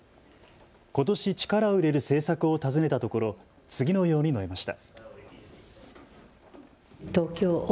ことし力を入れる政策を尋ねたところ次のように述べました。